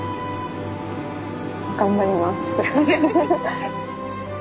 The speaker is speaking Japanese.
頑張ります。